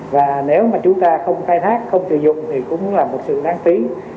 và nếu mà chúng ta không khai thác không sử dụng thì cũng là một sự đáng tiếc